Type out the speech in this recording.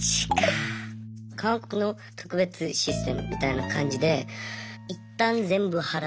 韓国の特別システムみたいな感じでいったん全部払って。